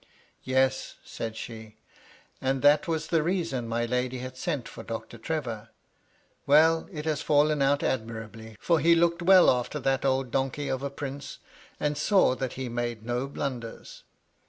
"Yes," said she. "And that was the reason my lady had sent for Doctor Trevor. Well, it has fallen MY LADY LUDLOW. 249 out admirably, for he looked well after that old donkey of a Prince, and saw that he made no blunders."